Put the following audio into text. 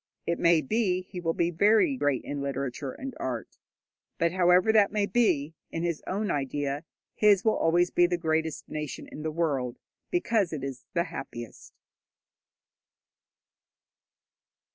It may be he will be very great in literature and art. But, however that may be, in his own idea his will be always the greatest nation in the world, because it is the happiest.